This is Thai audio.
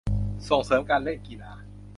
ส่งเสริมการเล่นกีฬา